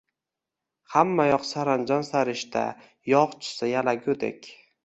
Hamma yoq saranjom-sarishta, yog` tushsa, yalagudek